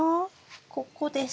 ここです。